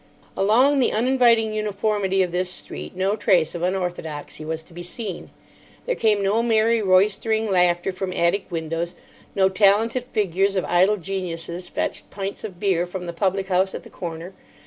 Along the uninviting uniformity of this street no trace of unorthodoxy was to be seen. There came no merry, roystering laughter from attic windows. No talented figures of idle geniuses fetched pints of beer from the public house at the corner.